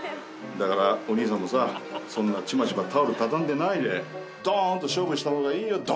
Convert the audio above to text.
だからお兄さんもさそんなちまちまタオル畳んでないでどーんと勝負した方がいいよ。